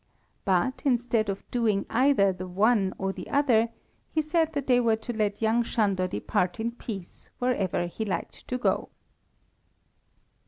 But, instead of doing either the one or the other, he said that they were to let young Sándor depart in peace wherever he liked to go.